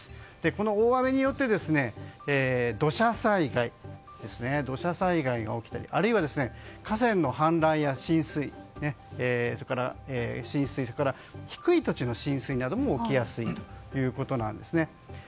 この大雨によって土砂災害が起きたりあるいは、河川の氾濫や浸水それから低い土地の浸水なども起きやすいということですね。